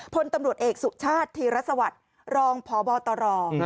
พลตำรวจเอกสุชาติธีรสวัสดิ์รองพบตร